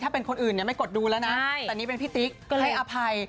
ถ้าเป็นคนอื่นเนี่ยไม่กดดูแล้วนะแต่นี่เป็นพี่ติ๊กก็เลยให้อภัย